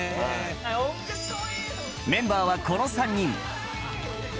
メンバーはこの３人